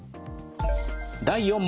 第４問。